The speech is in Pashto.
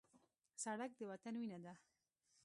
سړک د وطن وینه ده.